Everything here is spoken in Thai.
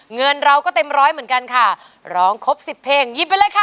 เงินเราก็เต็มร้อยเหมือนกันค่ะร้องครบสิบเพลงหยิบไปเลยค่ะ